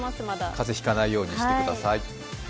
風邪ひかないようにしてください。